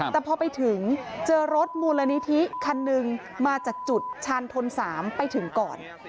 แต่พอไปถึงเจอรถมูลนิธิคันหนึ่งมาจากจุดชานทน๓ไปถึงก่อน